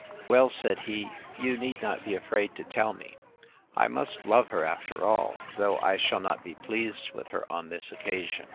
Well, said he, you need not be afraid to tell me: I must love her after all; though I shall not be pleased with her on this occasion.